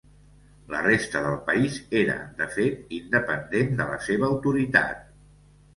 La resta del país era, de fet, independent de la seva autoritat.